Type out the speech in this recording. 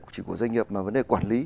chỉ của doanh nghiệp mà vấn đề quản lý